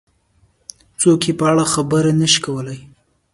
څوک یې په اړه خبرې نه شي کولای.